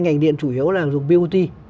ngành điện chủ yếu là dùng bot